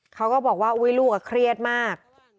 เขาก็บอกว่าอุ๊ยลูกเครียดมาก